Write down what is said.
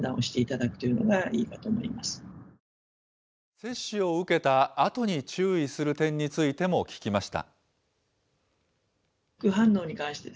接種を受けたあとに注意する点についても聞きました。